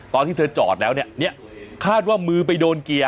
ตอนที่เธอจอดแล้วเนี่ยคาดว่ามือไปโดนเกียร์